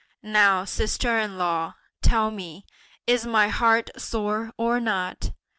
Now, sister in law, tell me, is my heart sore or not?